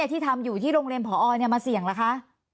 ที่ทำอยู่ที่โรงเรียนผอมาเสี่ยงล่ะคะ